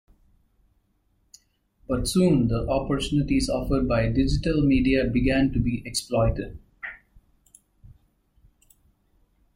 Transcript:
But soon the opportunities offered by digital media began to be exploited.